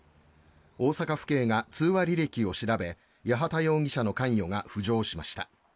大阪府警が通話履歴を調べ八幡容疑者の関与が浮上しました。